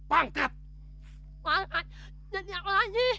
bangkat jadi apa lagi